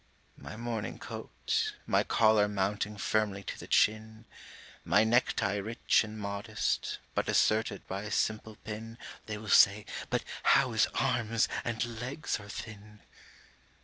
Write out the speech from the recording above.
â) My morning coat, my collar mounting firmly to the chin, My necktie rich and modest, but asserted by a simple pin (They will say: âBut how his arms and legs are thin!